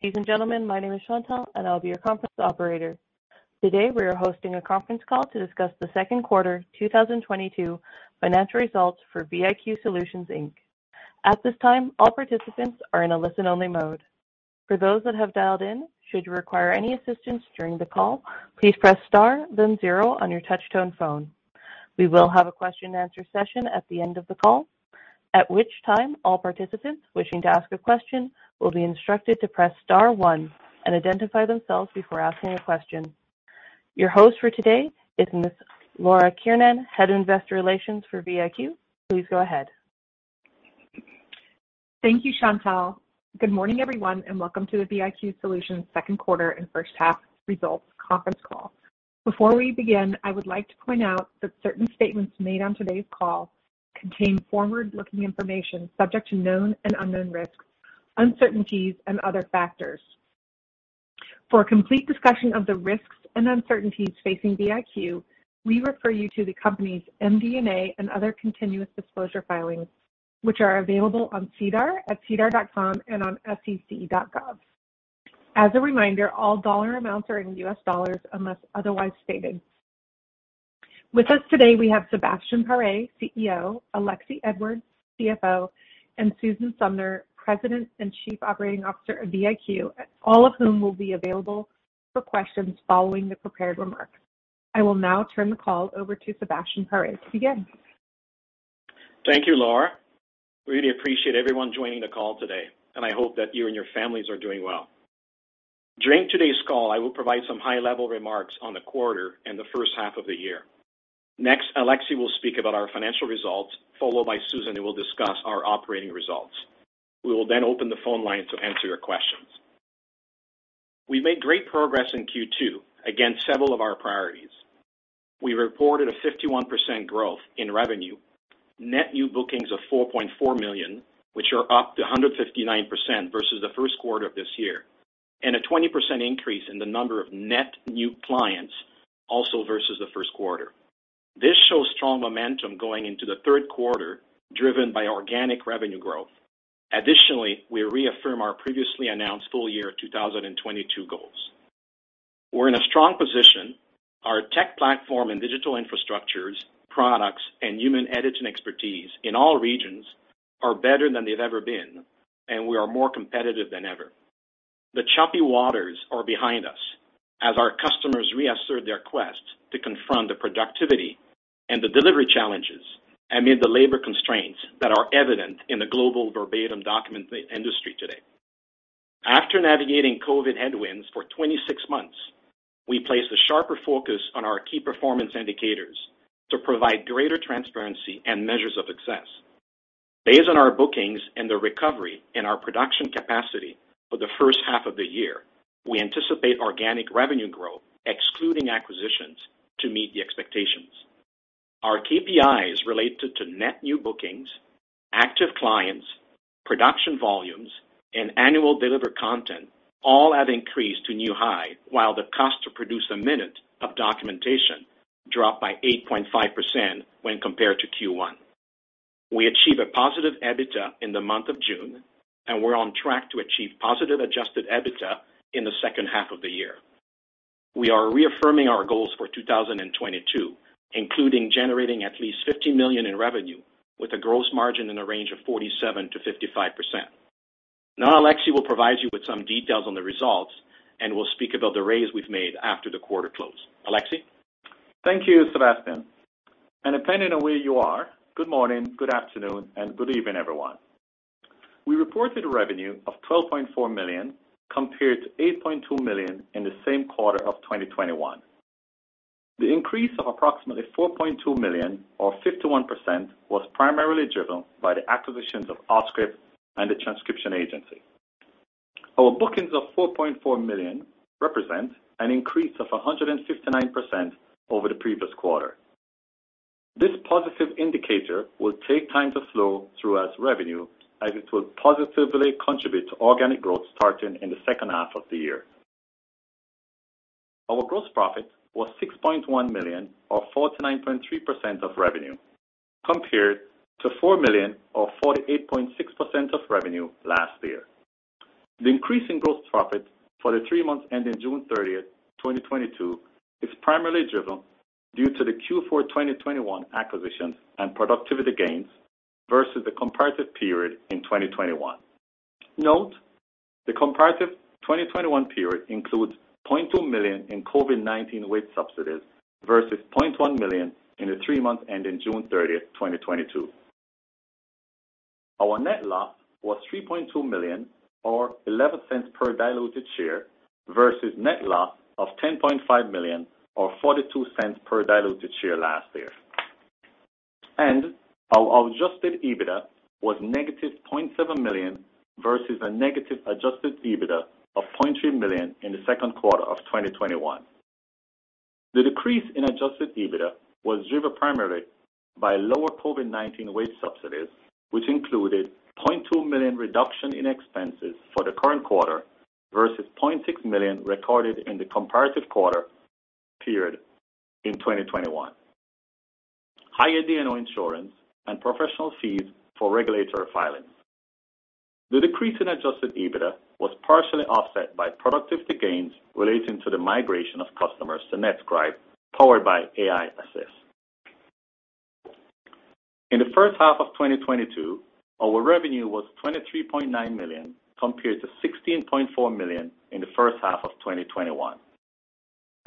Ladies and gentlemen, my name is Chantelle, and I'll be your conference operator. Today, we are hosting a Conference Call to Discuss The Second Quarter 2022 Financial Results for VIQ Solutions Inc. At this time, all participants are in a listen-only mode. For those that have dialed in, should you require any assistance during the call, please press star then zero on your touch-tone phone. We will have a question and answer session at the end of the call, at which time all participants wishing to ask a question will be instructed to press star one and identify themselves before asking a question. Your host for today is Ms. Laura Kiernan, Head of Investor Relations for VIQ. Please go ahead. Thank you, Chantelle. Good morning, everyone, and Welcome to The VIQ Solutions Second Quarter and First Half Results Conference Call. Before we begin, I would like to point out that certain statements made on today's call contain forward-looking information subject to known and unknown risks, uncertainties, and other factors. For a complete discussion of the risks and uncertainties facing VIQ, we refer you to the company's MD&A and other continuous disclosure filings, which are available on SEDAR at sedar.com and on sec.gov. As a reminder, all dollar amounts are in U.S. dollars unless otherwise stated. With us today, we have Sebastien Paré, CEO, Alexie Edwards, CFO, and Susan Sumner, President and Chief Operating Officer of VIQ, all of whom will be available for questions following the prepared remarks. I will now turn the call over to Sebastien Paré to begin. Thank you, Laura. Really appreciate everyone joining the call today, and I hope that you and your families are doing well. During today's call, I will provide some high-level remarks on the quarter and the first half of the year. Next, Alexi will speak about our financial results, followed by Susan, who will discuss our operating results. We will then open the phone line to answer your questions. We made great progress in Q2 against several of our priorities. We reported a 51% growth in revenue, net new bookings of $4.4 million, which are up 159% vs the first quarter of this year, and a 20% increase in the number of net new clients also vs the first quarter. This shows strong momentum going into the third quarter, driven by organic revenue growth. Additionally, we reaffirm our previously announced full year 2022 goals. We're in a strong position. Our tech platform and digital infrastructures, products, and human editing expertise in all regions are better than they've ever been, and we are more competitive than ever. The choppy waters are behind us as our customers reassert their quest to confront the productivity and the delivery challenges amid the labor constraints that are evident in the global verbatim document industry today. After navigating COVID headwinds for 26 months, we place a sharper focus on our key performance indicators to provide greater transparency and measures of success. Based on our bookings and the recovery in our production capacity for the first half of the year, we anticipate organic revenue growth, excluding acquisitions, to meet the expectations. Our KPIs related to net new bookings, active clients, production volumes, and annual delivered content all have increased to new high, while the cost to produce a minute of documentation dropped by 8.5% when compared to Q1. We achieve a positive EBITDA in the month of June, and we're on track to achieve positive adjusted EBITDA in the second half of the year. We are reaffirming our goals for 2022, including generating at least $50 million in revenue with a gross margin in the range of 47%-55%. Now, Alexie will provide you with some details on the results and will speak about the raise we've made after the quarter close. Alexie. Thank you, Sébastien. Depending on where you are, good morning, good afternoon, and good evening, everyone. We reported a revenue of $12.4 million compared to $8.2 million in the same quarter of 2021. The increase of approximately $4.2 million or 51% was primarily driven by the acquisitions of Auscript and The Transcription Agency. Our bookings of $4.4 million represent an increase of 159% over the previous quarter. This positive indicator will take time to flow through as revenue as it will positively contribute to organic growth starting in the second half of the year. Our gross profit was $6.1 million or 49.3% of revenue, compared to $4 million or 48.6% of revenue last year. The increase in gross profit for the three months ending June 30, 2022, is primarily driven due to the Q4 2021 acquisition and productivity gains vs the comparative period in 2021. Note, the comparative 2021 period includes $0.2 million in COVID-19 wage subsidies vs $0.1 million in the three months ending June 30, 2022. Our net loss was $3.2 million or $0.11 per diluted share vs net loss of $10.5 million or $0.42 per diluted share last year. Our adjusted EBITDA was negative $0.7 million vs a negative adjusted EBITDA of $0.3 million in the second quarter of 2021. The decrease in adjusted EBITDA was driven primarily by lower COVID-19 wage subsidies, which included $0.2 million reduction in expenses for the current quarter vs $0.6 million recorded in the comparative quarter period in 2021. Higher D&O insurance and professional fees for regulatory filings. The decrease in adjusted EBITDA was partially offset by productivity gains relating to the migration of customers to NetScribe, powered by aiAssist. In the first half of 2022, our revenue was $23.9 million compared to $16.4 million in the first half of 2021.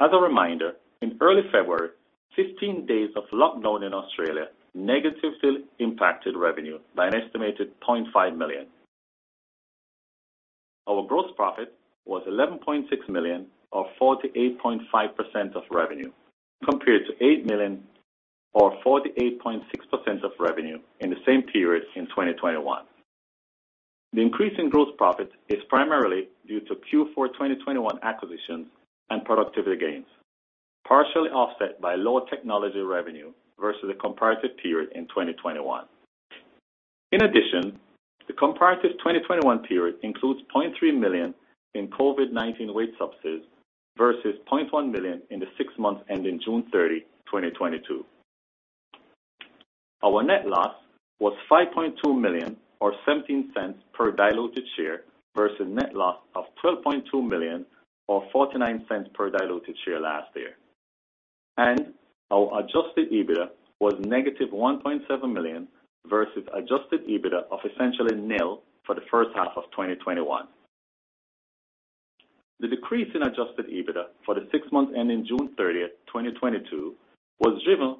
As a reminder, in early February, fifteen days of lockdown in Australia negatively impacted revenue by an estimated $0.5 million. Our gross profit was $11.6 million or 48.5% of revenue, compared to $8 million or 48.6% of revenue in the same period in 2021. The increase in gross profit is primarily due to Q4 2021 acquisitions and productivity gains, partially offset by lower technology revenue vs the comparative period in 2021. In addition, the comparative 2021 period includes $0.3 million in COVID-19 wage subsidies vs $0.1 million in the six months ending June 30, 2022. Our net loss was $5.2 million or $0.17 per diluted share vs net loss of $12.2 million or $0.49 per diluted share last year. Our adjusted EBITDA was -$1.7 million vs adjusted EBITDA of essentially nil for the first half of 2021. The decrease in adjusted EBITDA for the six months ending June 30, 2022 was driven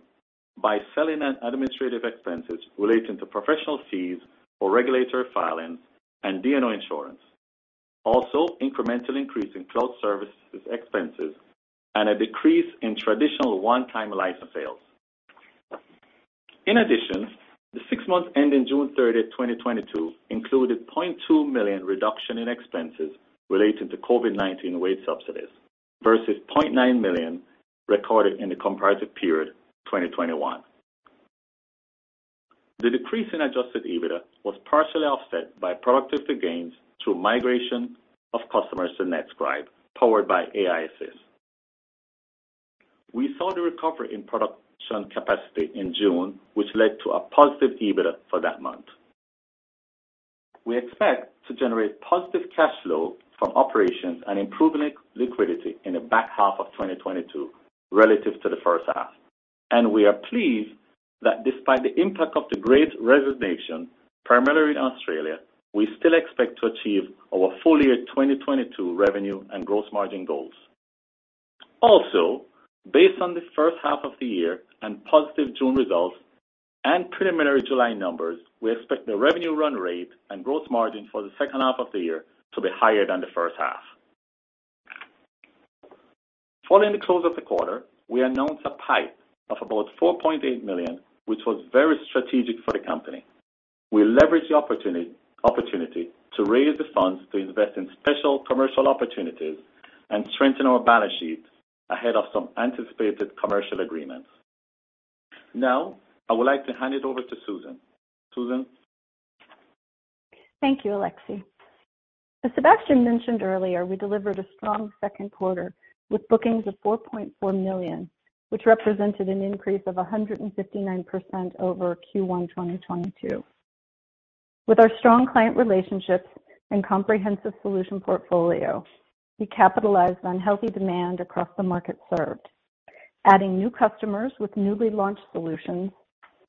by selling and administrative expenses relating to professional fees for regulatory filings and D&O insurance. Also, incremental increase in cloud services expenses and a decrease in traditional one-time license sales. In addition, the six months ending June 30, 2022 included $0.2 million reduction in expenses relating to COVID-19 wage subsidies vs $0.9 million recorded in the comparative period 2021. The decrease in adjusted EBITDA was partially offset by productivity gains through migration of customers to NetScribe, powered by aiAssist. We saw the recovery in production capacity in June, which led to a positive EBITDA for that month. We expect to generate positive cash flow from operations and improving liquidity in the back half of 2022 relative to the first half. We are pleased that despite the impact of the great resignation, primarily in Australia, we still expect to achieve our full year 2022 revenue and gross margin goals. Also, based on the first half of the year and positive June results and preliminary July numbers, we expect the revenue run rate and gross margin for the second half of the year to be higher than the first half. Following the close of the quarter, we announced a PIPE of about $4.8 million, which was very strategic for the company. We leveraged the opportunity to raise the funds to invest in special commercial opportunities and strengthen our balance sheet ahead of some anticipated commercial agreements. Now, I would like to hand it over to Susan. Susan? Thank you, Alexie. As Sebastien mentioned earlier, we delivered a strong second quarter with bookings of $4.4 million, which represented an increase of 159% over Q1 2022. With our strong client relationships and comprehensive solution portfolio, we capitalized on healthy demand across the market served, adding new customers with newly launched solutions,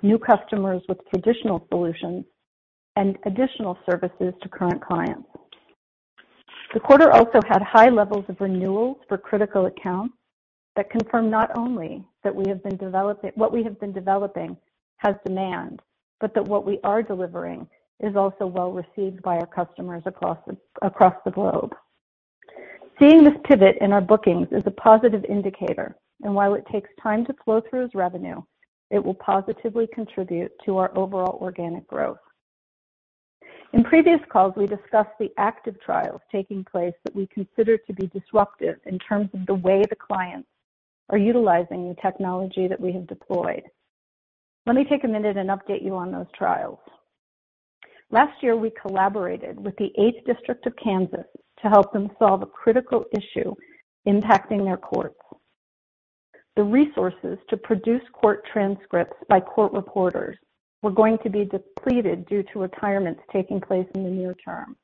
new customers with traditional solutions, and additional services to current clients. The quarter also had high levels of renewals for critical accounts that confirm not only that what we have been developing has demand, but that what we are delivering is also well received by our customers across the globe. Seeing this pivot in our bookings is a positive indicator, and while it takes time to flow through as revenue, it will positively contribute to our overall organic growth. In previous calls, we discussed the active trials taking place that we consider to be disruptive in terms of the way the clients are utilizing the technology that we have deployed. Let me take a minute and update you on those trials. Last year, we collaborated with the Eighth Judicial District of Kansas to help them solve a critical issue impacting their courts. The resources to produce court transcripts by court reporters were going to be depleted due to retirements taking place in the near term.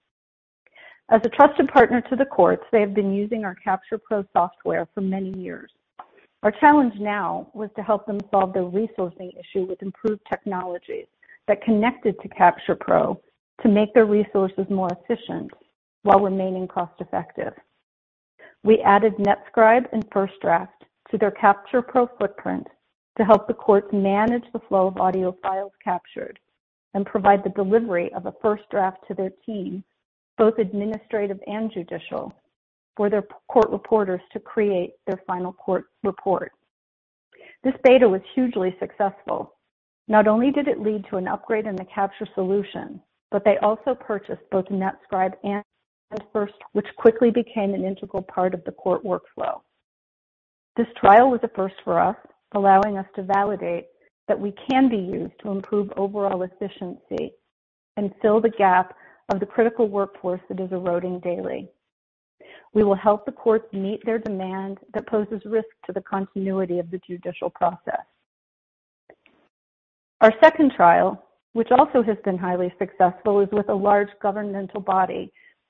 As a trusted partner to the courts, they have been using our CapturePro software for many years. Our challenge now was to help them solve their resourcing issue with improved technologies that connected to CapturePro to make their resources more efficient while remaining cost-effective. We added NetScribe and FirstDraft to their CapturePro footprint to help the courts manage the flow of audio files captured and provide the delivery of a FirstDraft to their team, both administrative and judicial, for their court reporters to create their final court report. This beta was hugely successful. Not only did it lead to an upgrade in the Capture solution, but they also purchased both NetScribe and FirstDraft, which quickly became an integral part of the court workflow. This trial was a first for us, allowing us to validate that we can be used to improve overall efficiency and fill the gap of the critical workforce that is eroding daily. We will help the courts meet their demand that poses risk to the continuity of the judicial process. Our second trial, which also has been highly successful, is with a large governmental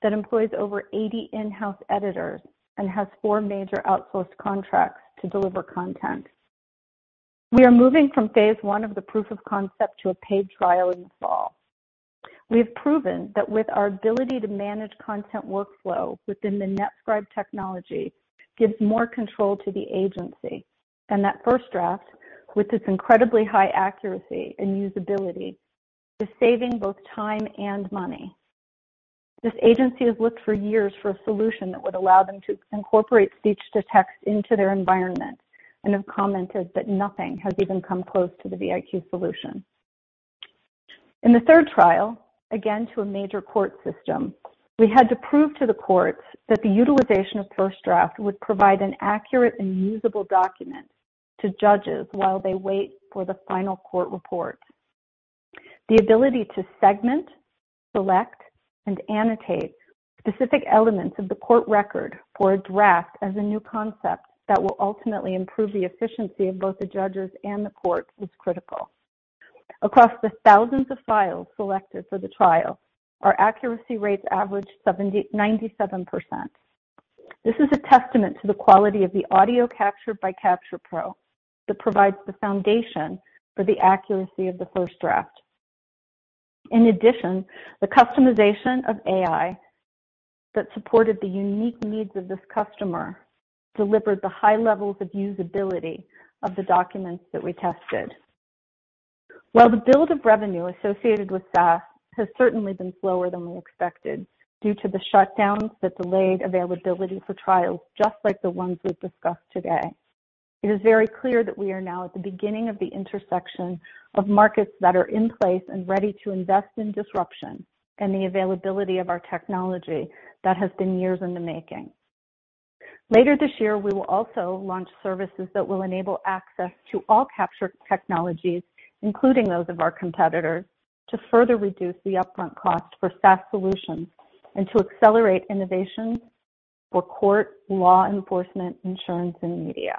body that employs over 80 in-house editors and has four major outsourced contracts to deliver content. We are moving from phase one of the proof of concept to a paid trial in the fall. We have proven that with our ability to manage content workflow within the NetScribe technology gives more control to the agency. That FirstDraft, with its incredibly high accuracy and usability, is saving both time and money. This agency has looked for years for a solution that would allow them to incorporate speech-to-text into their environment and have commented that nothing has ever come close to the VIQ solution. In the third trial, again to a major court system, we had to prove to the courts that the utilization of FirstDraft would provide an accurate and usable document to judges while they wait for the final court report. The ability to segment, select, and annotate specific elements of the court record for a draft as a new concept that will ultimately improve the efficiency of both the judges and the courts is critical. Across the 1,000s of files selected for the trial, our accuracy rates averaged 97%. This is a testament to the quality of the audio captured by CapturePro that provides the foundation for the accuracy of the FirstDraft. In addition, the customization of AI that supported the unique needs of this customer delivered the high levels of usability of the documents that we tested. While the build of revenue associated with SaaS has certainly been slower than we expected due to the shutdowns that delayed availability for trials, just like the ones we've discussed today, it is very clear that we are now at the beginning of the intersection of markets that are in place and ready to invest in disruption and the availability of our technology that has been years in the making. Later this year, we will also launch services that will enable access to all captured technologies, including those of our competitors, to further reduce the upfront cost for SaaS solutions and to accelerate innovations for court, law enforcement, insurance, and media.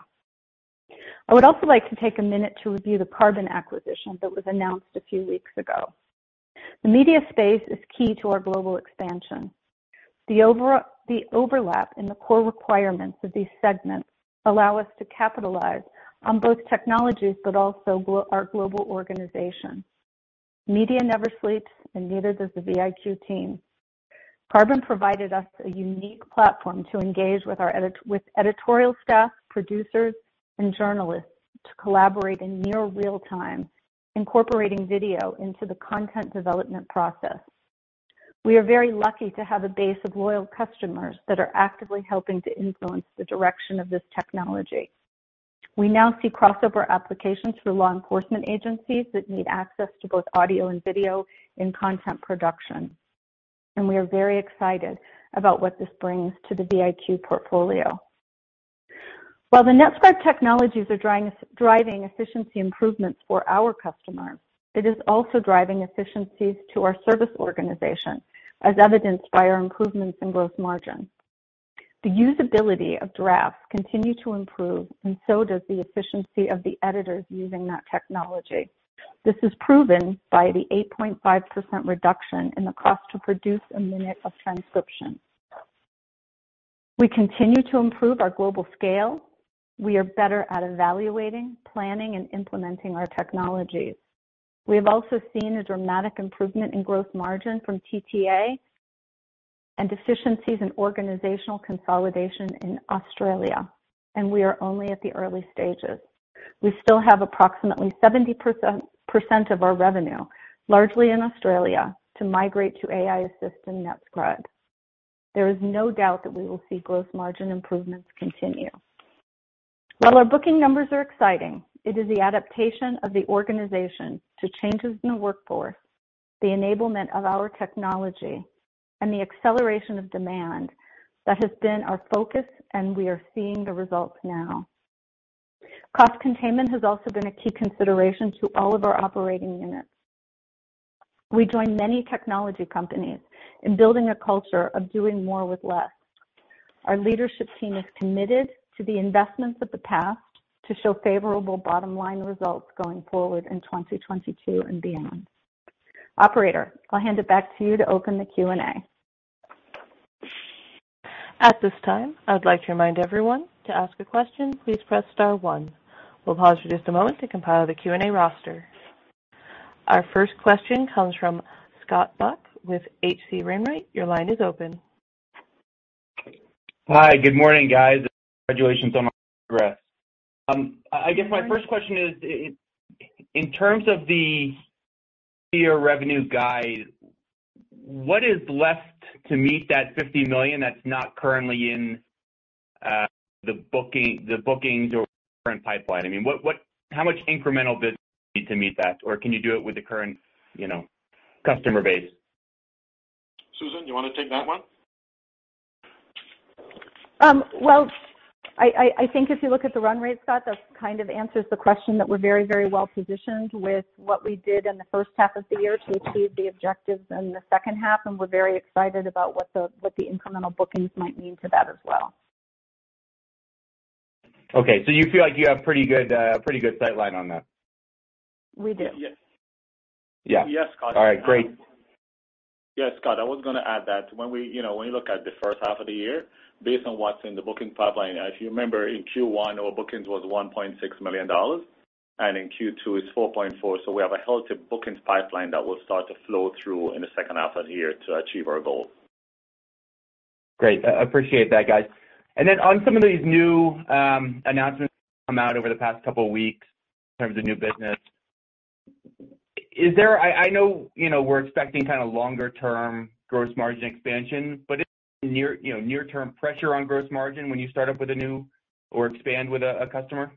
I would also like to take a minute to review the Carbon acquisition that was announced a few weeks ago. The media space is key to our global expansion. The overlap in the core requirements of these segments allow us to capitalize on both technologies, but also our global organization. Media never sleeps, and neither does the VIQ team. Carbon provided us a unique platform to engage with editorial staff, producers, and journalists to collaborate in near real time, incorporating video into the content development process. We are very lucky to have a base of loyal customers that are actively helping to influence the direction of this technology. We now see crossover applications for law enforcement agencies that need access to both audio and video in content production, and we are very excited about what this brings to the VIQ portfolio. While the NetScribe technologies are driving efficiency improvements for our customers, it is also driving efficiencies to our service organization, as evidenced by our improvements in gross margin. The usability of drafts continue to improve, and so does the efficiency of the editors using that technology. This is proven by the 8.5% reduction in the cost to produce a minute of transcription. We continue to improve our global scale. We are better at evaluating, planning, and implementing our technologies. We have also seen a dramatic improvement in gross margin from TTA and efficiencies in organizational consolidation in Australia, and we are only at the early stages. We still have approximately 70% of our revenue, largely in Australia, to migrate to aiAssist and NetScribe. There is no doubt that we will see gross margin improvements continue. While our booking numbers are exciting, it is the adaptation of the organization to changes in the workforce, the enablement of our technology, and the acceleration of demand that has been our focus, and we are seeing the results now. Cost containment has also been a key consideration to all of our operating units. We join many technology companies in building a culture of doing more with less. Our leadership team is committed to the investments of the past to show favorable bottom-line results going forward in 2022 and beyond. Operator, I'll hand it back to you to open the Q&A. At this time, I would like to remind everyone to ask a question, please press star one. We'll pause for just a moment to compile the Q&A roster. Our first question comes from Scott Buck with H.C. Wainwright. Your line is open. Hi. Good morning, guys. Congratulations on the progress. I guess my first question is in terms of the revenue guide, what is left to meet that $50 million that's not currently in the booking, the bookings or current pipeline? I mean, what? How much incremental business do you need to meet that? Or can you do it with the current, you know, customer base? Susan, do you want to take that one? Um, well- I think if you look at the run rate, Scott, that kind of answers the question that we're very, very well positioned with what we did in the first half of the year to achieve the objectives in the second half, and we're very excited about what the incremental bookings might mean to that as well. Okay. You feel like you have pretty good sight line on that? We do. Yes. Yeah. Yes, Scott. All right, great. Yeah, Scott, I was gonna add that when we, you know, when you look at the first half of the year, based on what's in the booking pipeline, if you remember in Q1, our bookings was $1.6 million and in Q2 it's $4.4 million. We have a healthy bookings pipeline that will start to flow through in the second half of the year to achieve our goals. Great. Appreciate that, guys. On some of these new announcements that have come out over the past couple weeks in terms of new business, I know, you know, we're expecting kinda longer term gross margin expansion, but is there near, you know, near term pressure on gross margin when you start up with a new or expand with a customer?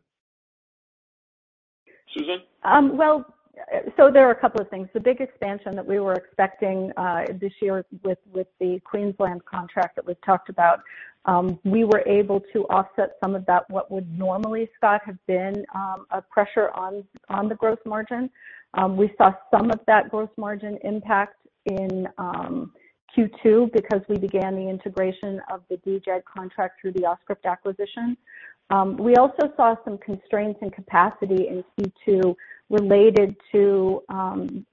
Susan? Well, there are a couple of things. The big expansion that we were expecting this year with the Queensland contract that was talked about, we were able to offset some of that, what would normally, Scott, have been a pressure on the gross margin. We saw some of that gross margin impact in Q2 because we began the integration of the DJAG contract through the Auscript acquisition. We also saw some constraints in capacity in Q2 related to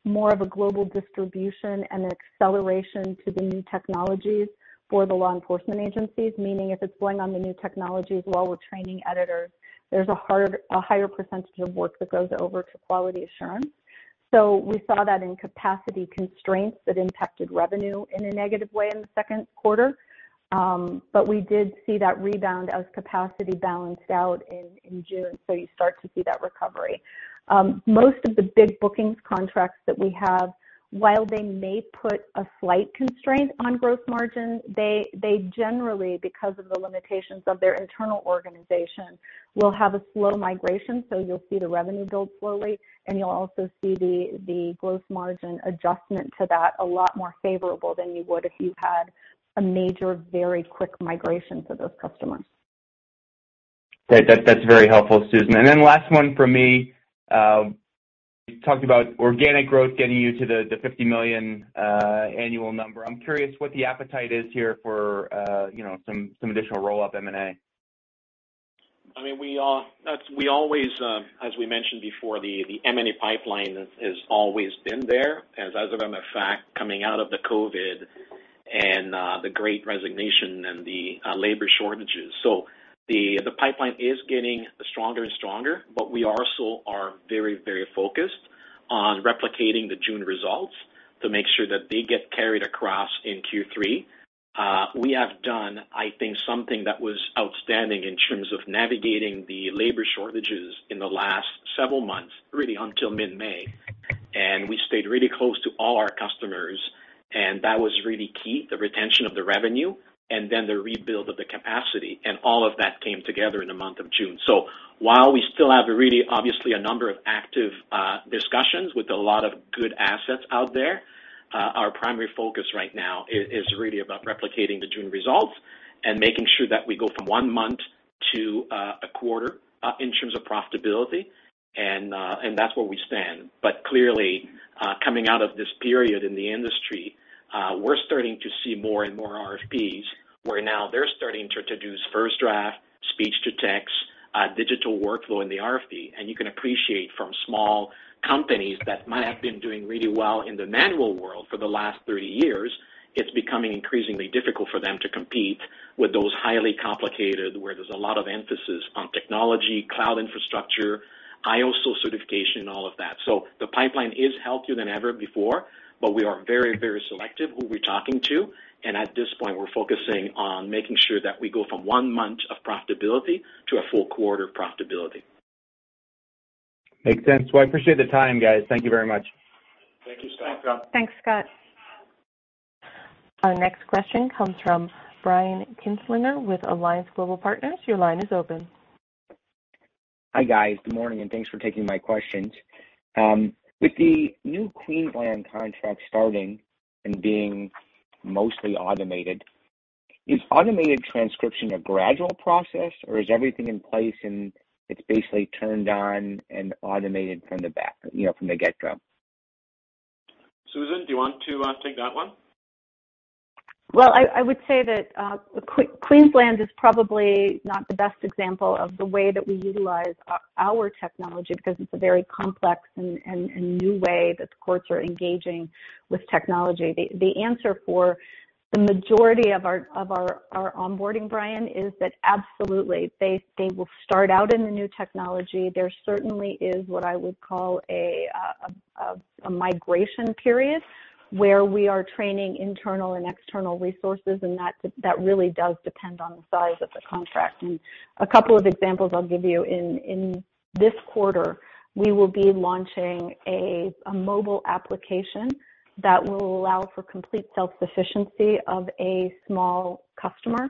more of a global distribution and acceleration to the new technologies for the law enforcement agencies. Meaning if it's going on the new technologies while we're training editors, there's a higher percentage of work that goes over to quality assurance. We saw that in capacity constraints that impacted revenue in a negative way in the second quarter. We did see that rebound as capacity balanced out in June, so you start to see that recovery. Most of the big bookings contracts that we have, while they may put a slight constraint on growth margin, they generally, because of the limitations of their internal organization, will have a slow migration. You'll see the revenue build slowly, and you'll also see the gross margin adjustment to that a lot more favorable than you would if you had a major, very quick migration for those customers. That's very helpful, Susan. Last one from me. You talked about organic growth getting you to the $50 million annual number. I'm curious what the appetite is here for, you know, some additional roll-up M&A. I mean, we always, as we mentioned before, the M&A pipeline has always been there. As a matter of fact, coming out of the COVID and the Great Resignation and the labor shortages. The pipeline is getting stronger and stronger, but we also are very focused on replicating the June results to make sure that they get carried across in Q3. We have done, I think, something that was outstanding in terms of navigating the labor shortages in the last several months, really until mid-May. We stayed really close to all our customers, and that was really key, the retention of the revenue and then the rebuild of the capacity. All of that came together in the month of June. While we still have really obviously a number of active discussions with a lot of good assets out there, our primary focus right now is really about replicating the June results and making sure that we go from one month to a quarter in terms of profitability and that's where we stand. Clearly, coming out of this period in the industry, we're starting to see more and more RFPs, where now they're starting to introduce FirstDraft speech to text, digital workflow in the RFP. You can appreciate from small companies that might have been doing really well in the manual world for the last 30 years, it's becoming increasingly difficult for them to compete with those highly complicated, where there's a lot of emphasis on technology, cloud infrastructure, ISO certification, all of that. The pipeline is healthier than ever before, but we are very, very selective who we're talking to. At this point, we're focusing on making sure that we go from one month of profitability to a full quarter profitability. Makes sense. Well, I appreciate the time, guys. Thank you very much. Thank you, Scott. Thanks, Scott. Our next question comes from Brian Kinstlinger with Alliance Global Partners. Your line is open. Hi, guys. Good morning, and thanks for taking my questions. With the new Queensland contract starting and being mostly automated, is automated transcription a gradual process, or is everything in place and it's basically turned on and automated from the back, you know, from the get-go? Susan, do you want to take that one? Well, I would say that Queensland is probably not the best example of the way that we utilize our technology because it's a very complex and new way that the courts are engaging with technology. The answer for the majority of our onboarding, Brian, is that absolutely, they will start out in the new technology. There certainly is what I would call a migration period where we are training internal and external resources, and that really does depend on the size of the contract. A couple of examples I'll give you. In this quarter, we will be launching a mobile application that will allow for complete self-sufficiency of a small customer.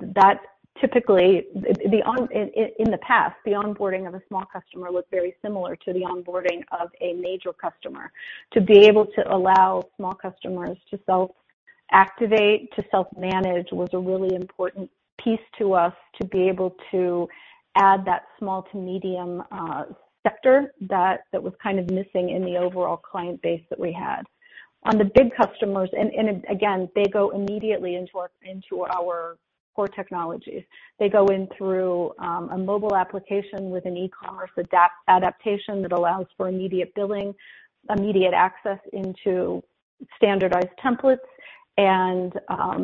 That typically... In the past, the onboarding of a small customer looked very similar to the onboarding of a major customer. To be able to allow small customers to self-activate to self-manage was a really important piece to us to be able to add that small to medium sector that was kind of missing in the overall client base that we had. On the big customers, they go immediately into our core technologies. They go in through a mobile application with an e-commerce adaptation that allows for immediate billing, immediate access into standardized templates, and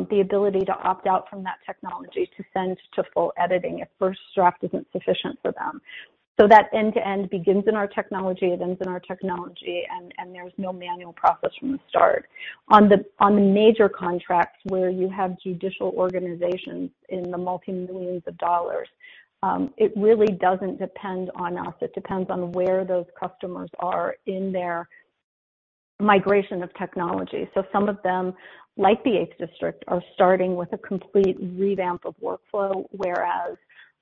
the ability to opt out from that technology to send to full editing if first draft isn't sufficient for them. That end-to-end begins in our technology, it ends in our technology, and there's no manual process from the start. On the major contracts where you have judicial organizations in the multi-millions of dollars, it really doesn't depend on us. It depends on where those customers are in their migration of technology. Some of them, like the Eighth District, are starting with a complete revamp of workflow, whereas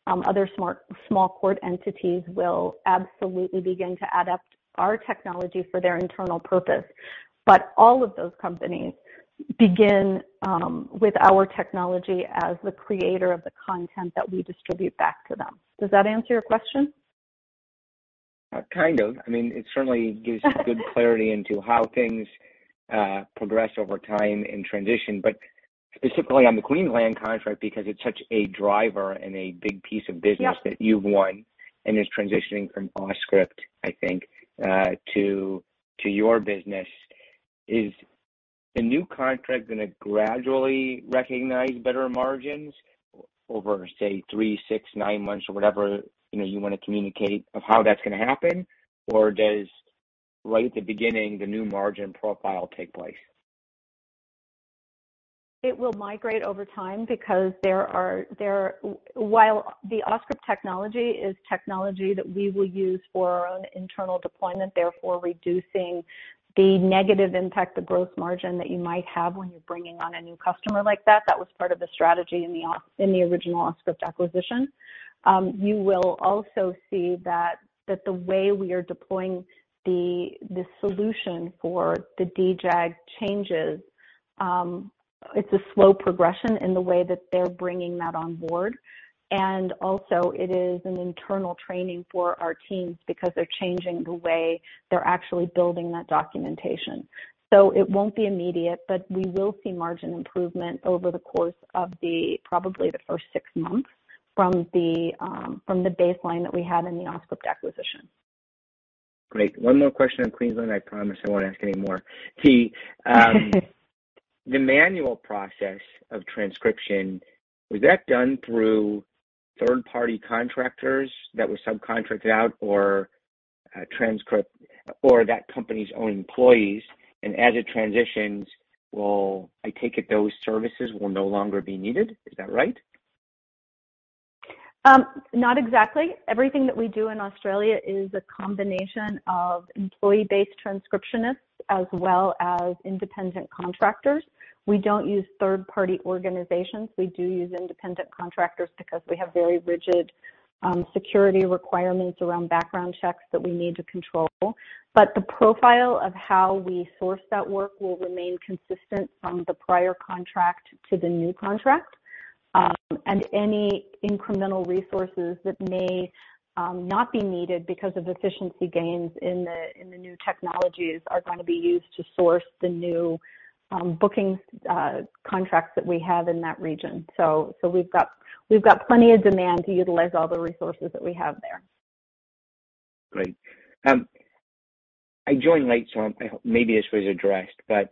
other smart-small court entities will absolutely begin to adapt our technology for their internal purpose. All of those companies begin with our technology as the creator of the content that we distribute back to them. Does that answer your question? Kind of. I mean, it certainly gives good clarity into how things progress over time and transition. Specifically on the Queensland contract, because it's such a driver and a big piece of business. Yep. that you've won and is transitioning from Auscript, I think, to your business. Is the new contract gonna gradually recognize better margins over, say, three, six, nine months or whatever, you know, you wanna communicate of how that's gonna happen? Or does right at the beginning, the new margin profile take place? It will migrate over time because while the Auscript technology is technology that we will use for our own internal deployment, therefore reducing the negative impact to gross margin that you might have when you're bringing on a new customer like that was part of the strategy in the original Auscript acquisition. You will also see that the way we are deploying the solution for the DJAG changes, it's a slow progression in the way that they're bringing that on board. Also it is an internal training for our teams because they're changing the way they're actually building that documentation. It won't be immediate, but we will see margin improvement over the course of probably the first six months from the baseline that we had in the Auscript acquisition. Great. One more question on Queensland, I promise I won't ask any more. The manual process of transcription, was that done through third-party contractors that were subcontracted out or a transcriber or that company's own employees? As it transitions, will, I take it, those services will no longer be needed. Is that right? Not exactly. Everything that we do in Australia is a combination of employee-based transcriptionists as well as independent contractors. We don't use third-party organizations. We do use independent contractors because we have very rigid security requirements around background checks that we need to control. The profile of how we source that work will remain consistent from the prior contract to the new contract. Any incremental resources that may not be needed because of efficiency gains in the new technologies are gonna be used to source the new booking contracts that we have in that region. We've got plenty of demand to utilize all the resources that we have there. Great. I joined late, so I hope maybe this was addressed, but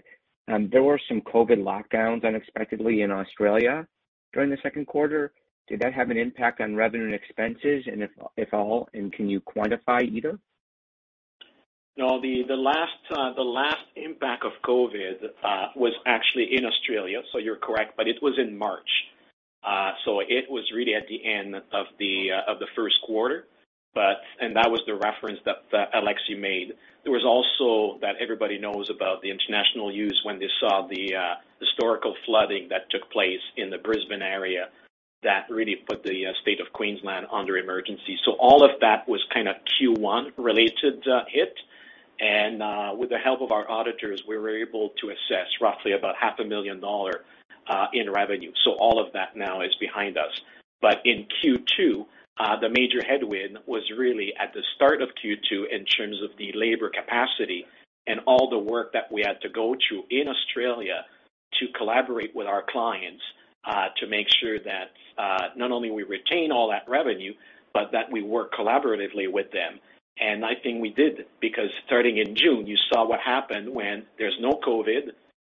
there were some COVID lockdowns unexpectedly in Australia during the second quarter. Did that have an impact on revenue and expenses? If at all, can you quantify either? No, the last impact of COVID was actually in Australia, so you're correct, but it was in March. It was really at the end of the first quarter. That was the reference that Alexie made. There was also the international news everybody knows about when they saw the historical flooding that took place in the Brisbane area that really put the state of Queensland under emergency. All of that was kinda Q1 related hit. With the help of our auditors, we were able to assess roughly about $500,000 in revenue. All of that now is behind us. In Q2, the major headwind was really at the start of Q2 in terms of the labor capacity and all the work that we had to go through in Australia to collaborate with our clients, to make sure that not only we retain all that revenue, but that we work collaboratively with them. I think we did, because starting in June, you saw what happened when there's no COVID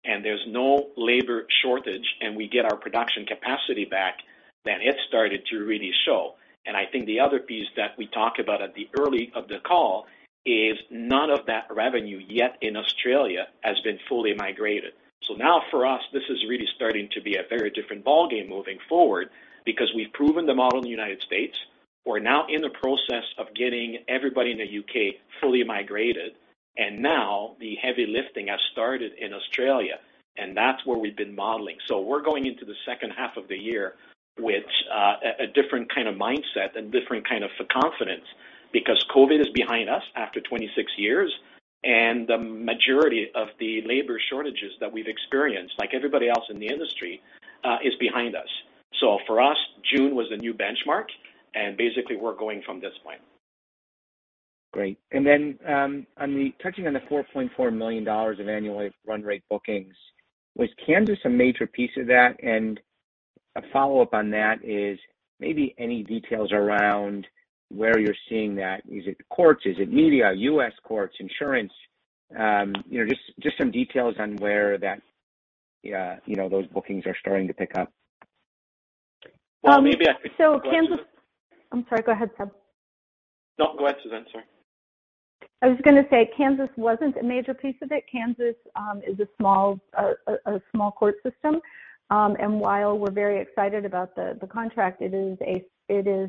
and there's no labor shortage, and we get our production capacity back, then it started to really show. I think the other piece that we talked about earlier in the call is none of that revenue yet in Australia has been fully migrated. Now for us, this is really starting to be a very different ballgame moving forward because we've proven the model in the United States. We're now in the process of getting everybody in the U.K. fully migrated, and now the heavy lifting has started in Australia, and that's where we've been modeling. We're going into the second half of the year with a different kind of mindset and different kind of confidence. Because COVID is behind us after 26 months, and the majority of the labor shortages that we've experienced, like everybody else in the industry, is behind us. For us, June was the new benchmark, and basically, we're going from this point. Great. Then, touching on the $4.4 million of annualized run rate bookings, was Kansas a major piece of that? A follow-up on that is maybe any details around where you're seeing that. Is it courts? Is it media, U.S. courts, insurance? You know, just some details on where that, you know, those bookings are starting to pick up. Well, maybe I could. I'm sorry. Go ahead, Seb. No, go ahead, Susan, sorry. I was gonna say Kansas wasn't a major piece of it. Kansas is a small court system. While we're very excited about the contract, it is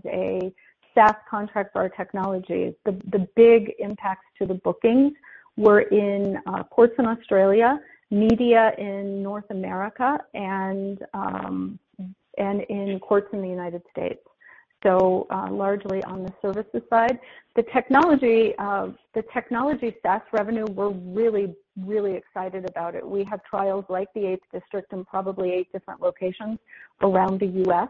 a SaaS contract for our technology. The big impacts to the bookings were in courts in Australia, media in North America, and in courts in the United States. Largely on the services side. The technology SaaS revenue, we're really excited about it. We have trials like the Eighth District in probably eight different locations around the U.S.,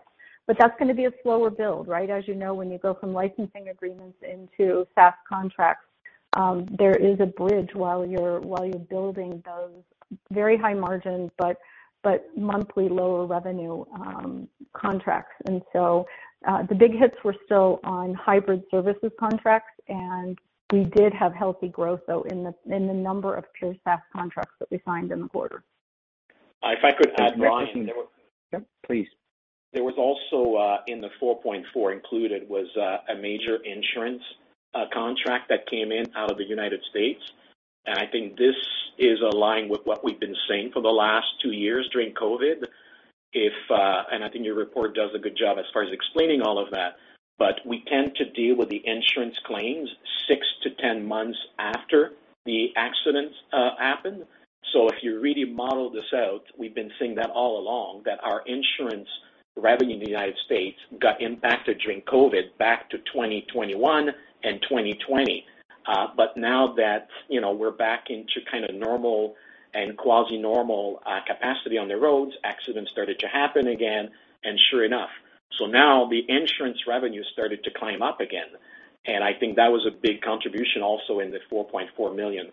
but that's gonna be a slower build, right? As you know, when you go from licensing agreements into SaaS contracts, there is a bridge while you're building those very high margins, but monthly lower revenue contracts. The big hits were still on hybrid services contracts, and we did have healthy growth, though, in the number of pure SaaS contracts that we signed in the quarter. If I could add, Brian. Yep, please. There was also in the $4.4 million included was a major insurance contract that came in out of the United States. I think this is aligned with what we've been saying for the last two years during COVID. I think your report does a good job as far as explaining all of that, but we tend to deal with the insurance claims six to 10 months after the accidents happen. If you really model this out, we've been saying that all along that our insurance revenue in the United States got impacted during COVID back to 2021 and 2020. But now that, you know, we're back into kind of normal and quasi-normal capacity on the roads, accidents started to happen again, and sure enough. Now the insurance revenue started to climb up again. I think that was a big contribution also in the $4.4 million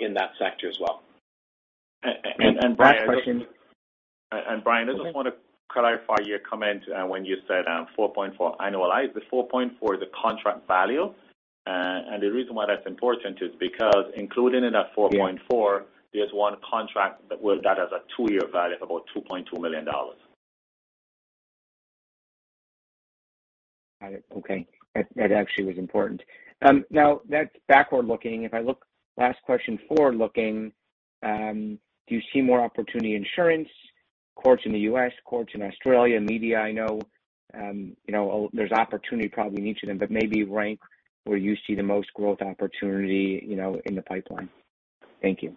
in that sector as well. Brian. Brian, I just Go ahead. Brian, I just wanna clarify your comment, when you said, $4.4 million annualized. The $4.4 million is the contract value. The reason why that's important is because including in that $4.4 million- Yeah. There's one contract that we've got as a two-year value of about $2.2 million. Got it. Okay. That actually was important. Now that's backward-looking. If I look, last question forward-looking, do you see more opportunity insurance, courts in the U.S., courts in Australia, media, I know, you know, there's opportunity probably in each of them, but maybe rank where you see the most growth opportunity, you know, in the pipeline. Thank you.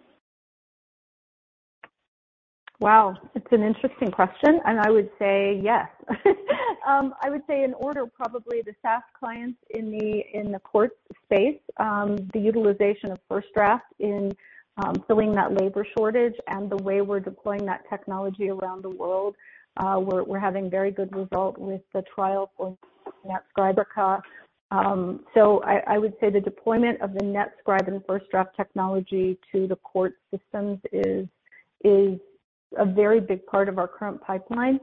Wow. It's an interesting question. I would say yes. I would say in order, probably the SaaS clients in the court space, the utilization of FirstDraft in filling that labor shortage and the way we're deploying that technology around the world, we're having very good result with the trial for NetScribe C.A. I would say the deployment of the NetScribe and FirstDraft technology to the court systems is a very big part of our current pipeline.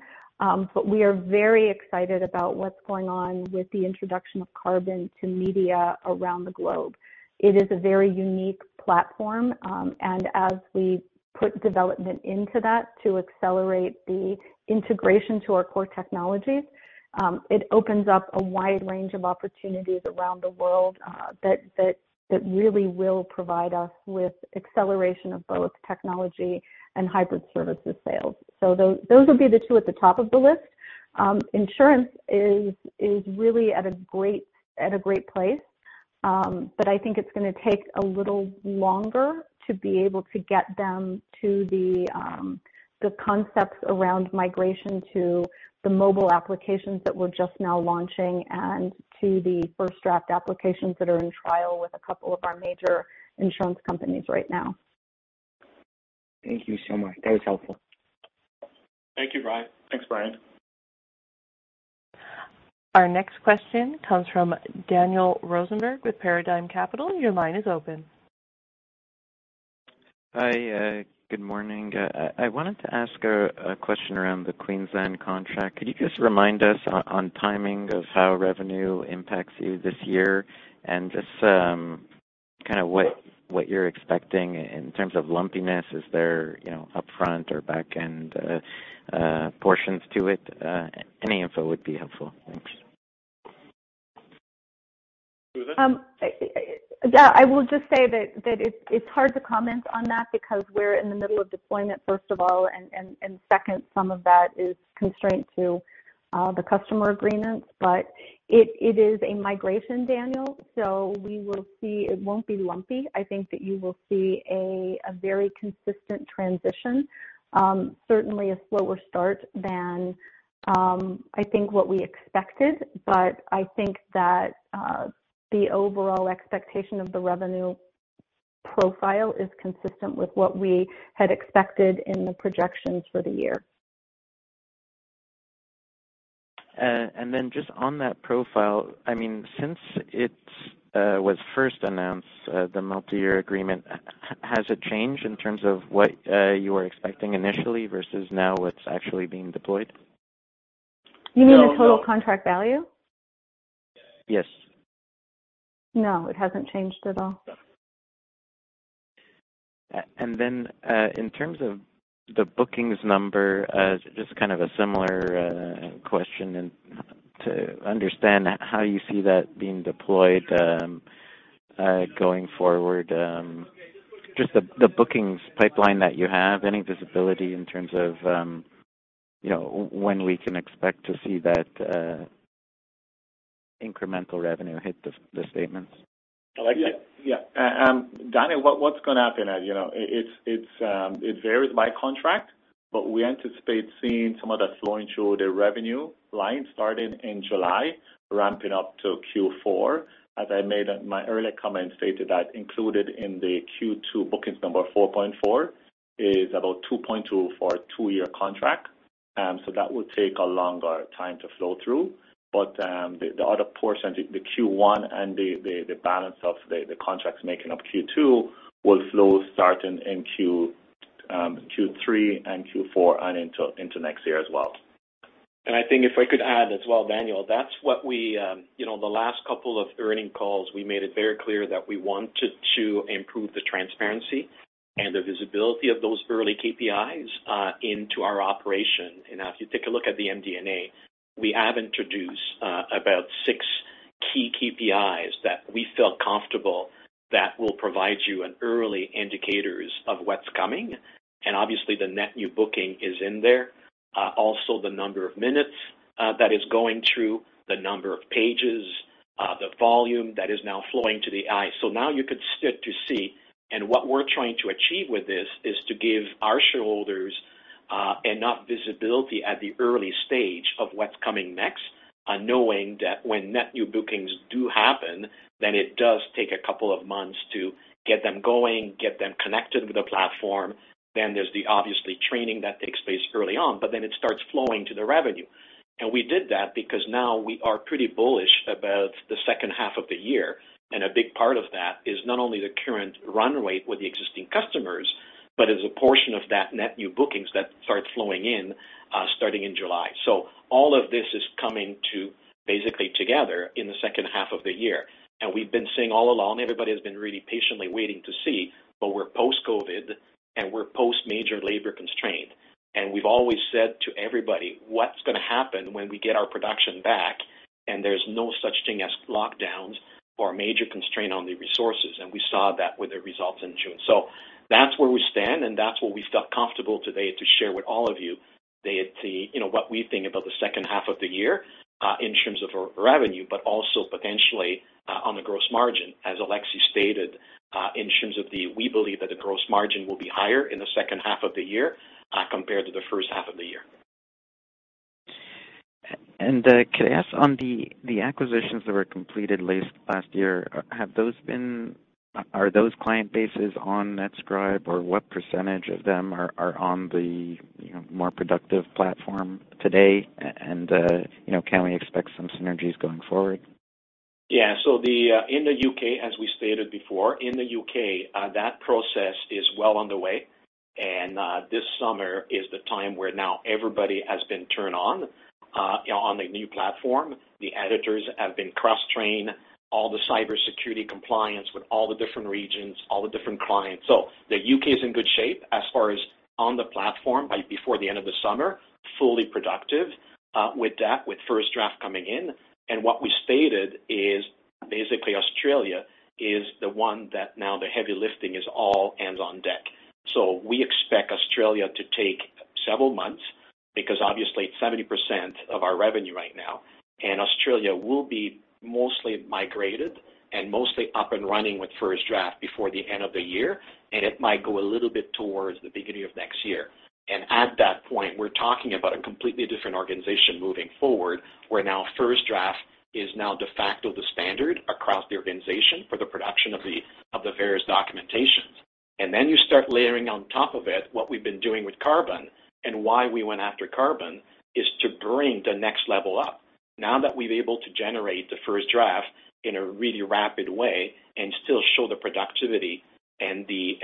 We are very excited about what's going on with the introduction of Carbon to media around the globe. It is a very unique platform, and as we put development into that to accelerate the integration to our core technologies, it opens up a wide range of opportunities around the world, that really will provide us with acceleration of both technology and hybrid services sales. Those would be the two at the top of the list. Insurance is really at a great place, but I think it's gonna take a little longer to be able to get them to the concepts around migration to the mobile applications that we're just now launching and to the FirstDraft applications that are in trial with a couple of our major insurance companies right now. Thank you so much. That was helpful. Thank you, Brian. Thanks, Brian. Our next question comes from Daniel Rosenberg with Paradigm Capital. Your line is open. Hi. Good morning. I wanted to ask a question around the Queensland contract. Could you just remind us on timing of how revenue impacts you this year and just kinda what you're expecting in terms of lumpiness? Is there, you know, upfront or back-end portions to it? Any info would be helpful. Thanks. Susan? I will just say that it's hard to comment on that because we're in the middle of deployment, first of all, and second, some of that is constrained to the customer agreements. It is a migration, Daniel, so we will see it won't be lumpy. I think that you will see a very consistent transition. Certainly a slower start than I think what we expected. I think that the overall expectation of the revenue profile is consistent with what we had expected in the projections for the year. Just on that profile, I mean, since it was first announced, the multi-year agreement, has it changed in terms of what you were expecting initially vs now what's actually being deployed? You mean the total contract value? Yes. No, it hasn't changed at all. In terms of the bookings number, just kind of a similar question to understand how you see that being deployed going forward, just the bookings pipeline that you have, any visibility in terms of you know when we can expect to see that incremental revenue hit the statements? Alexi? Yeah. Daniel, what's gonna happen now, you know, it varies by contract, but we anticipate seeing some of that flowing through the revenue line starting in July, ramping up to Q4. As I made my earlier comment stated that included in the Q2 bookings number $4.4 million is about $2.2 million for a two-year contract. So that will take a longer time to flow through. The other portion, the Q1 and the balance of the contracts making up Q2 will flow starting in Q3 and Q4 and into next year as well. I think if I could add as well, Daniel, that's what we, you know, the last couple of earnings calls, we made it very clear that we wanted to improve the transparency and the visibility of those early KPIs into our operation. As you take a look at the MD&A, we have introduced about six key KPIs that we felt comfortable that will provide you an early indicators of what's coming. Obviously the net new booking is in there. Also the number of minutes that is going through the number of pages, the volume that is now flowing to the AI. Now you could start to see, and what we're trying to achieve with this is to give our shareholders enough visibility at the early stage of what's coming next, knowing that when net new bookings do happen, then it does take a couple of months to get them going, get them connected with the platform. There's obviously training that takes place early on, but then it starts flowing to the revenue. We did that because now we are pretty bullish about the second half of the year. A big part of that is not only the current run rate with the existing customers, but as a portion of that net new bookings that start flowing in, starting in July. All of this is basically coming together in the second half of the year. We've been saying all along, everybody has been really patiently waiting to see, but we're post-COVID and we're post major labor constraint. We've always said to everybody, what's gonna happen when we get our production back and there's no such thing as lockdowns or major constraint on the resources. We saw that with the results in June. That's where we stand, and that's what we felt comfortable today to share with all of you. You know, what we think about the second half of the year in terms of revenue, but also potentially on the gross margin, as Alexie stated, we believe that the gross margin will be higher in the second half of the year compared to the first half of the year. Could I ask on the acquisitions that were completed last year? Are those client bases on NetScribe or what % of them are on the, you know, more productive platform today? You know, can we expect some synergies going forward? Yeah. In the U.K., as we stated before, that process is well on the way. This summer is the time where now everybody has been turned on to the new platform. The editors have been cross-trained, all the cybersecurity compliance with all the different regions, all the different clients. The U.K. is in good shape as far as on the platform by the end of the summer, fully productive with FirstDraft coming in. What we stated is basically Australia is the one that now the heavy lifting is all hands on deck. We expect Australia to take several months because obviously it's 70% of our revenue right now. Australia will be mostly migrated and mostly up and running with FirstDraft before the end of the year, and it might go a little bit towards the beginning of next year. At that point, we're talking about a completely different organization moving forward, where now FirstDraft is now de facto the standard across the organization for the production of the various documentations. Then you start layering on top of it what we've been doing with Carbon and why we went after Carbon is to bring the next level up. Now that we're able to generate the first draft in a really rapid way and still show the productivity and the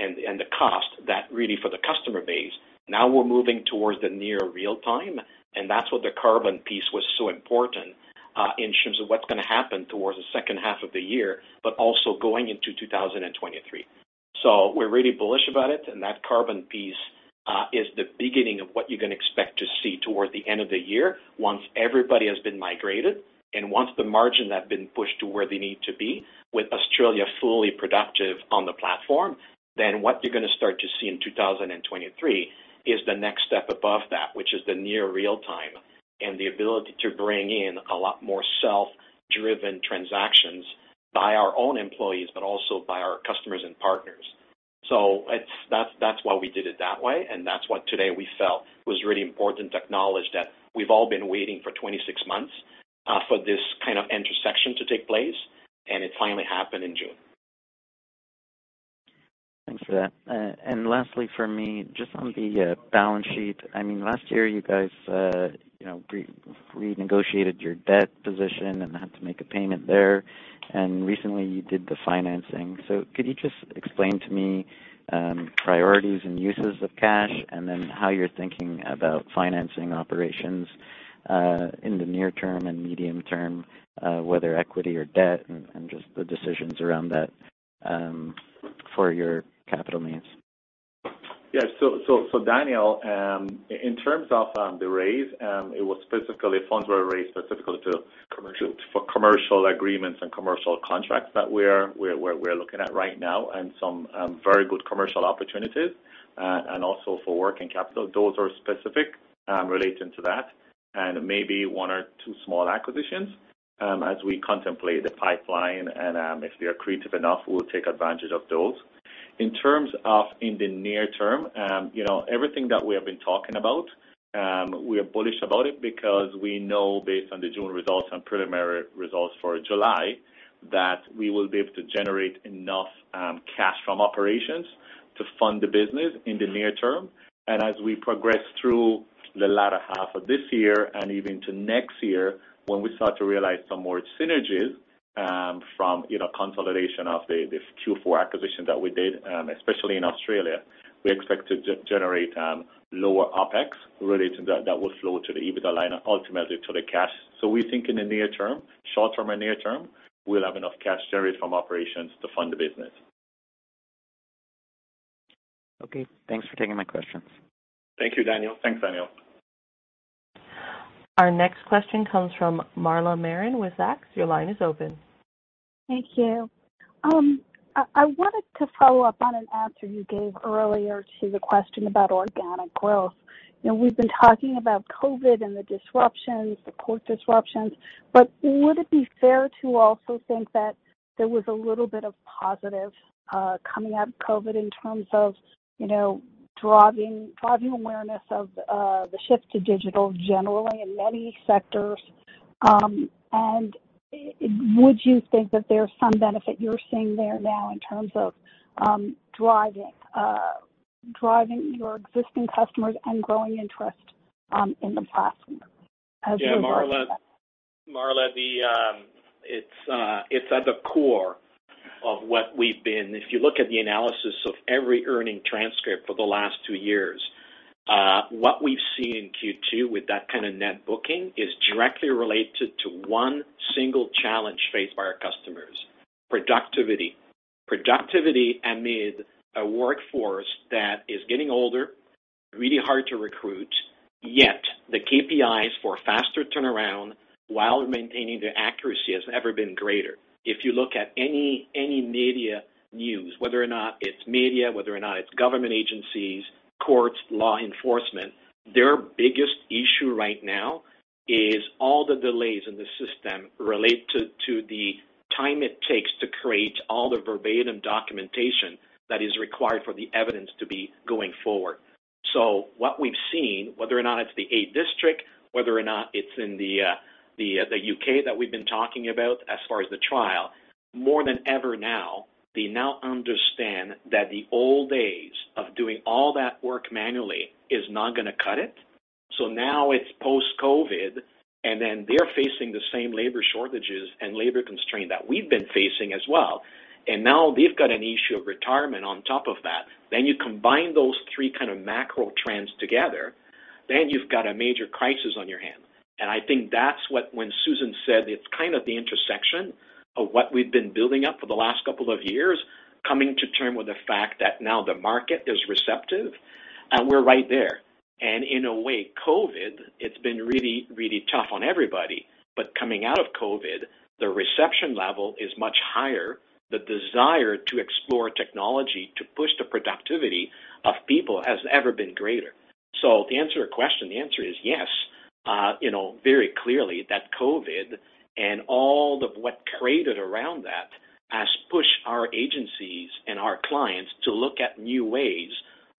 cost that really for the customer base, now we're moving towards the near real time, and that's what the Carbon piece was so important in terms of what's gonna happen towards the second half of the year, but also going into 2023. We're really bullish about it, and that Carbon piece is the beginning of what you're gonna expect to see toward the end of the year once everybody has been migrated and once the margins have been pushed to where they need to be with Australia fully productive on the platform. Then what you're gonna start to see in 2023 is the next step above that, which is the near real time and the ability to bring in a lot more self-driven transactions by our own employees, but also by our customers and partners. That's why we did it that way, and that's what today we felt was really important to acknowledge that we've all been waiting for 26 months for this kind of intersection to take place, and it finally happened in June. Thanks for that. And lastly for me, just on the balance sheet, I mean, last year you guys, you know, renegotiated your debt position and had to make a payment there, and recently you did the financing. Could you just explain to me priorities and uses of cash, and then how you're thinking about financing operations in the near term and medium term, whether equity or debt and just the decisions around that for your capital needs? Daniel, in terms of the raise, funds were raised specifically to- Commercial for commercial agreements and commercial contracts that we're looking at right now and some very good commercial opportunities and also for working capital. Those are specific relating to that and maybe one or two small acquisitions as we contemplate the pipeline. If we are creative enough, we'll take advantage of those. In terms of in the near term, you know, everything that we have been talking about, we are bullish about it because we know based on the June results and preliminary results for July that we will be able to generate enough cash from operations to fund the business in the near term. As we progress through the latter half of this year and even to next year, when we start to realize some more synergies from, you know, consolidation of the Q4 acquisition that we did, especially in Australia, we expect to generate lower OpEx relating to that that will flow to the EBITDA line and ultimately to the cash. We think in the near term, short term and near term, we'll have enough cash generated from operations to fund the business. Okay. Thanks for taking my questions. Thank you, Daniel. Thanks, Daniel. Our next question comes from Marla Marin with Zacks. Your line is open. Thank you. I wanted to follow up on an answer you gave earlier to the question about organic growth. You know, we've been talking about COVID and the disruptions, the port disruptions, but would it be fair to also think that there was a little bit of positive coming out of COVID in terms of, you know, driving awareness of the shift to digital generally in many sectors? Would you think that there's some benefit you're seeing there now in terms of driving your existing customers and growing interest in the platform as you emerge from that? Yeah, Marla, it's at the core of what we've been. If you look at the analysis of every earnings transcript for the last two years, what we've seen in Q2 with that kind of net booking is directly related to one single challenge faced by our customers, productivity. Productivity amid a workforce that is getting older, really hard to recruit, yet the KPIs for faster turnaround while maintaining the accuracy has never been greater. If you look at any media news, whether or not it's media, whether or not it's government agencies, courts, law enforcement, their biggest issue right now is all the delays in the system relate to the time it takes to create all the verbatim documentation that is required for the evidence to be going forward. What we've seen, whether or not it's the Eighth District, whether or not it's in the U.K. that we've been talking about as far as the trial, more than ever now, they now understand that the old days of doing all that work manually is not gonna cut it. Now it's post-COVID, and then they're facing the same labor shortages and labor constraint that we've been facing as well. Now they've got an issue of retirement on top of that. You combine those three kind of macro trends together, then you've got a major crisis on your hands. I think that's what when Susan said it's kind of the intersection of what we've been building up for the last couple of years, coming to terms with the fact that now the market is receptive and we're right there. In a way, COVID, it's been really, really tough on everybody. Coming out of COVID, the reception level is much higher. The desire to explore technology to push the productivity of people has ever been greater. To answer your question, the answer is yes, you know, very clearly that COVID and all of what created around that has pushed our agencies and our clients to look at new ways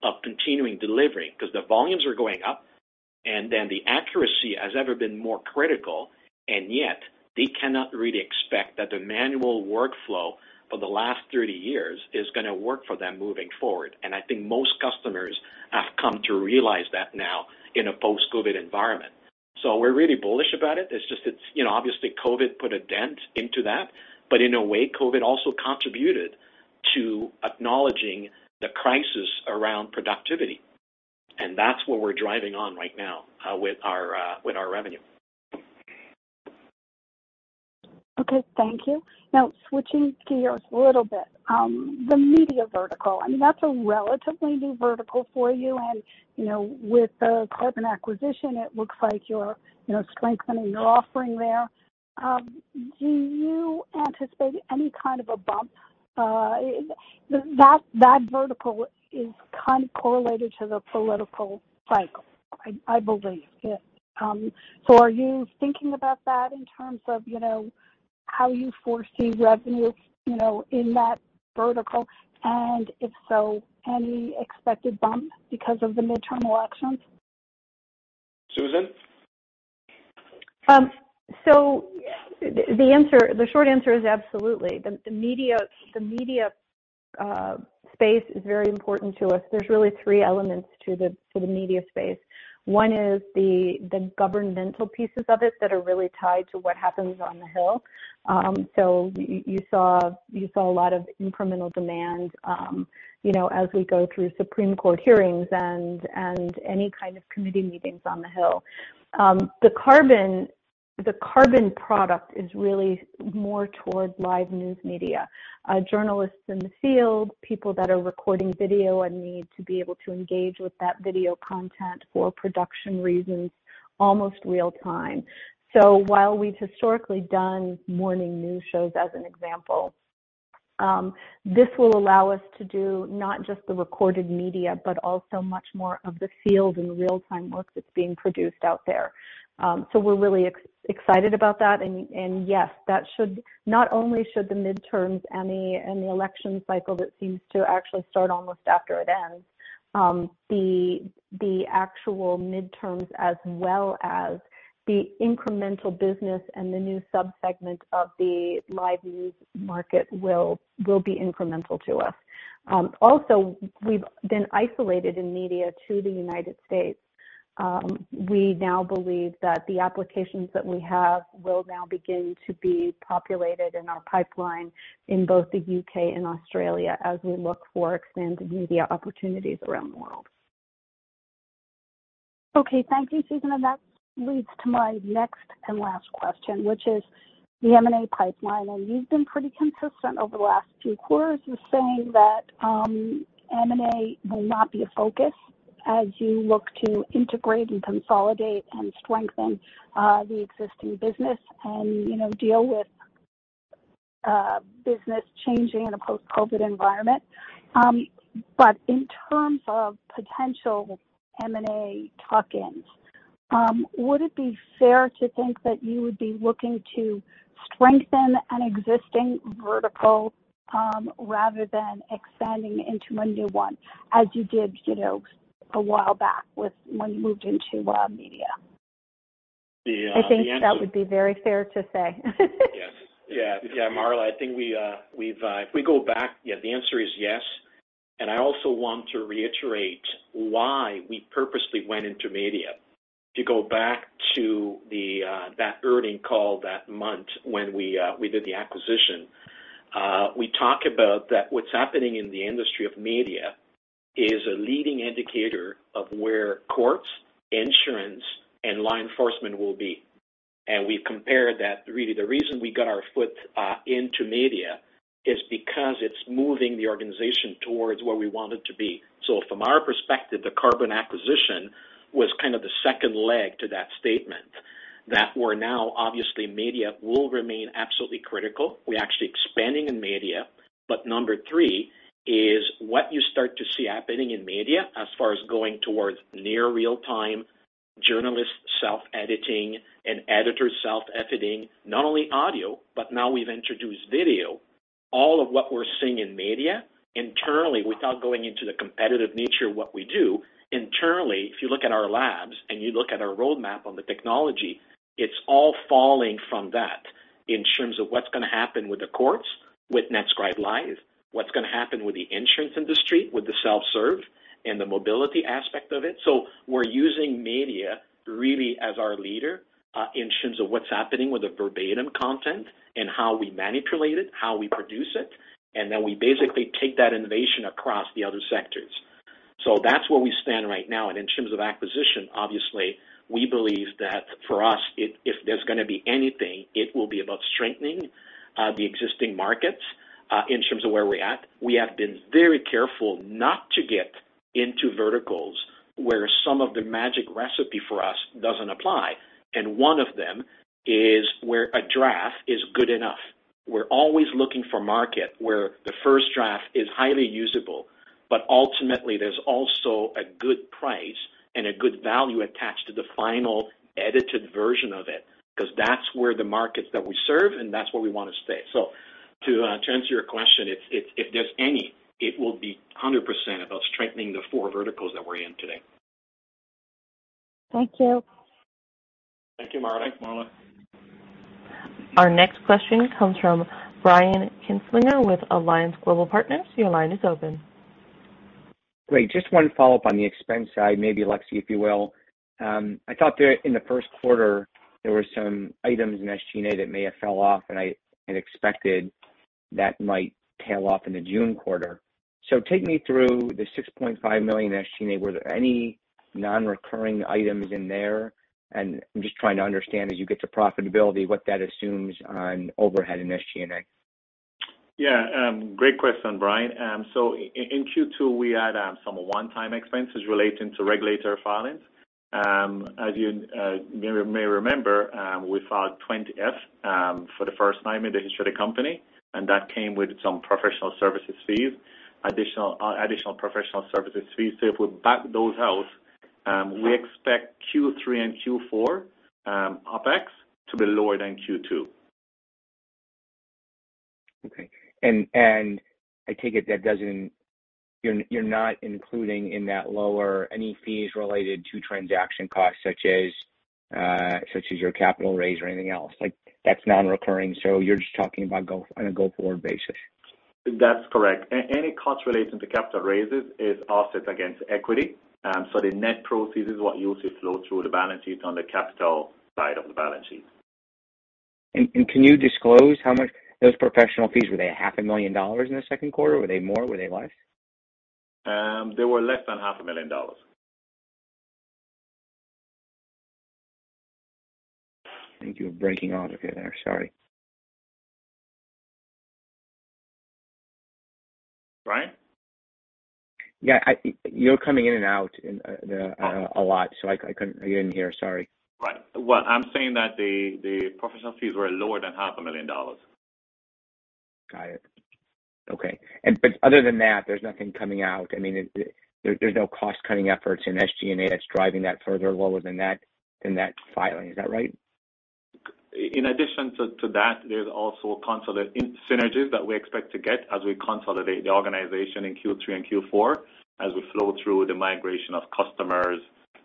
of continuing delivering because the volumes are going up and then the accuracy has ever been more critical, and yet they cannot really expect that the manual workflow for the last 30 years is gonna work for them moving forward. I think most customers have come to realize that now in a post-COVID environment. We're really bullish about it. It's just, you know, obviously COVID put a dent into that, but in a way, COVID also contributed to acknowledging the crisis around productivity. That's what we're driving on right now, with our revenue. Okay. Thank you. Now switching gears a little bit. The media vertical, I mean, that's a relatively new vertical for you and, you know, with the Carbon acquisition, it looks like you're, you know, strengthening your offering there. Do you anticipate any kind of a bump? That vertical is kind of correlated to the political cycle, I believe. So are you thinking about that in terms of, you know, how you foresee revenue, you know, in that vertical, and if so, any expected bump because of the midterm elections? Susan? The short answer is absolutely. The media space is very important to us. There's really three elements to the media space. One is the governmental pieces of it that are really tied to what happens on the Hill. You saw a lot of incremental demand, you know, as we go through Supreme Court hearings and any kind of committee meetings on the Hill. The Carbon product is really more towards live news media. Journalists in the field, people that are recording video and need to be able to engage with that video content for production reasons, almost real time. While we've historically done morning news shows as an example, this will allow us to do not just the recorded media, but also much more of the field and real-time work that's being produced out there. We're really excited about that. Yes, not only should the midterms and the election cycle that seems to actually start almost after it ends, the actual midterms as well as the incremental business and the new sub-segment of the live news market will be incremental to us. Also, we've been isolated in media to the United States. We now believe that the applications that we have will now begin to be populated in our pipeline in both the U.K. and Australia as we look for expanded media opportunities around the world. Okay. Thank you, Susan. That leads to my next and last question, which is the M&A pipeline. You've been pretty consistent over the last two quarters in saying that M&A will not be a focus as you look to integrate and consolidate and strengthen the existing business and, you know, deal with business changing in a post-COVID environment. In terms of potential M&A tuck-ins, would it be fair to think that you would be looking to strengthen an existing vertical rather than expanding into a new one, as you did, you know, a while back when you moved into media? The answer- I think that would be very fair to say. Yes. Yeah. Yeah, Marla, I think if we go back, yeah, the answer is yes. I also want to reiterate why we purposely went into media. If you go back to that earnings call that month when we did the acquisition, we talk about that what's happening in the industry of media is a leading indicator of where courts, insurance, and law enforcement will be. We've compared that really the reason we got our foot into media is because it's moving the organization towards where we want it to be. From our perspective, the Carbon acquisition was kind of the second leg to that statement, that we're now obviously media will remain absolutely critical. We're actually expanding in media. Number three is what you start to see happening in media as far as going towards near real time, journalists self-editing and editors self-editing, not only audio, but now we've introduced video. All of what we're seeing in media internally, without going into the competitive nature of what we do, internally, if you look at our labs and you look at our roadmap on the technology, it's all falling from that in terms of what's gonna happen with the courts, with NetScribe Live, what's gonna happen with the insurance industry, with the self-serve and the mobility aspect of it. We're using media really as our leader in terms of what's happening with the verbatim content and how we manipulate it, how we produce it, and then we basically take that innovation across the other sectors. That's where we stand right now. In terms of acquisition, obviously, we believe that for us, if there's gonna be anything, it will be about strengthening the existing markets in terms of where we're at. We have been very careful not to get into verticals where some of the magic recipe for us doesn't apply, and one of them is where a draft is good enough. We're always looking for market where the first draft is highly usable, but ultimately, there's also a good price and a good value attached to the final edited version of it, 'cause that's where the markets that we serve, and that's where we wanna stay. To answer your question, if there's any, it will be 100% about strengthening the four verticals that we're in today. Thank you. Thank you, Marla. Thanks, Marla. Our next question comes from Brian Kinstlinger with Alliance Global Partners. Your line is open. Great. Just one follow-up on the expense side, maybe Alexie, if you will. I thought there in the first quarter, there were some items in SG&A that may have fell off, and I had expected that might tail off in the June quarter. Take me through the $6.5 million in SG&A. Were there any non-recurring items in there? I'm just trying to understand as you get to profitability, what that assumes on overhead in SG&A. Yeah. Great question, Brian. In Q2, we had some one-time expenses relating to regulatory filings. As you may remember, we filed 20-F for the first time in the history of the company, and that came with some professional services fees, additional professional services fees. If we back those out, we expect Q3 and Q4 OpEx to be lower than Q2. Okay. I take it you're not including in that lower any fees related to transaction costs such as your capital raise or anything else. Like that's non-recurring, so you're just talking about on a go-forward basis. That's correct. Any cost relating to capital raises is offset against equity. The net proceeds is what you'll see flow through the balance sheet on the capital side of the balance sheet. Can you disclose how much those professional fees were they $500,000 in the second quarter? Were they more? Were they less? They were less than $500,000. I think you're breaking out okay there. Sorry. Brian? Yeah, you're coming in and out a lot, so I couldn't hear. Sorry. Right. Well, I'm saying that the professional fees were lower than $500,000. Got it. Okay. Other than that, there's nothing coming out. I mean, there's no cost-cutting efforts in SG&A that's driving that further lower than that in that filing. Is that right? In addition to that, there's also consolidation synergies that we expect to get as we consolidate the organization in Q3 and Q4, as we flow through the migration of customers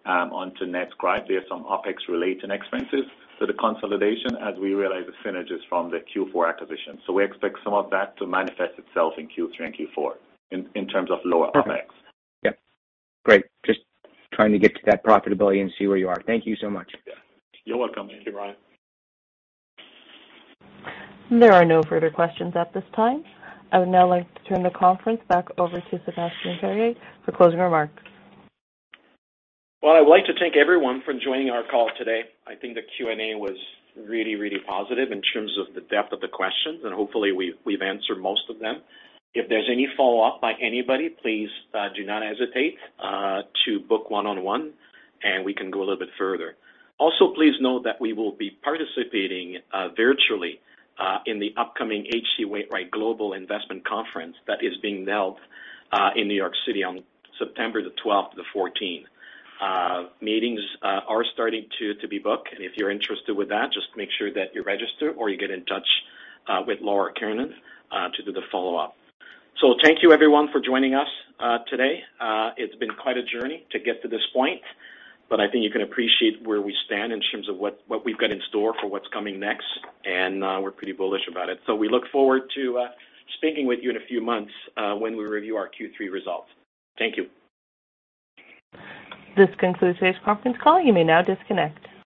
onto NetSuite. There are some OpEx-related expenses. The consolidation as we realize the synergies from the Q4 acquisition. We expect some of that to manifest itself in Q3 and Q4 in terms of lower OpEx. Perfect. Yeah. Great. Just trying to get to that profitability and see where you are. Thank you so much. You're welcome. Thank you, Brian. There are no further questions at this time. I would now like to turn the conference back over to Sebastien Paré for closing remarks. Well, I would like to thank everyone for joining our call today. I think the Q&A was really, really positive in terms of the depth of the questions, and hopefully we've answered most of them. If there's any follow-up by anybody, please do not hesitate to book one-on-one, and we can go a little bit further. Also, please note that we will be participating virtually in the upcoming H.C. Wainwright Global Investment Conference that is being held in New York City on September the twelfth to the fourteenth. Meetings are starting to be booked, and if you're interested with that, just make sure that you register or you get in touch with Laura Kiernan to do the follow-up. Thank you everyone for joining us today. It's been quite a journey to get to this point, but I think you can appreciate where we stand in terms of what we've got in store for what's coming next, and we're pretty bullish about it. We look forward to speaking with you in a few months when we review our Q3 results. Thank you. This concludes today's conference call. You may now disconnect.